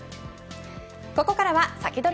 ここからはサキドリ！